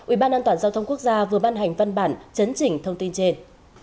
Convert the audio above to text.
ubnd giao thông quốc gia vừa ban hành văn bản chấn chỉnh thông tin trên